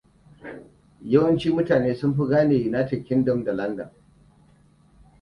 Yawanci mutane sun fi gane United Kingdom da London.